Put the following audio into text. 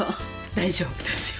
大丈夫ですよ。